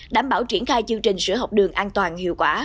đảm bảo triển khai chương trình sữa học đường an toàn hiệu quả